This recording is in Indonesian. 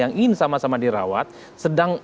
yang ingin sama sama dirawat sedang